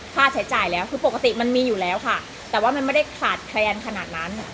ค่าใช้จ่ายแล้วคือปกติมันมีอยู่แล้วค่ะแต่ว่ามันไม่ได้ขาดแคลนขนาดนั้น